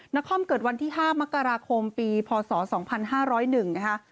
นครเกิดวันที่๕มกราคมปีพศ๒๕๐๑นะคะ